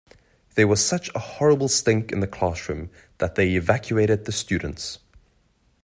There was such a horrible stink in the classroom that they evacuated the students.